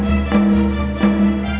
jangan lupa joko tingkir